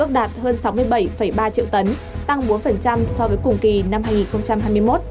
ước đạt hơn sáu mươi bảy ba triệu tấn tăng bốn so với cùng kỳ năm hai nghìn hai mươi một